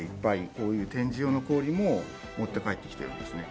こういう展示用の氷も持って帰ってきていますね。